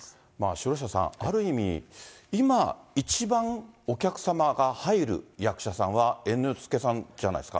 城下さん、ある意味、今、一番お客様が入る役者さんは猿之助さんじゃないですか。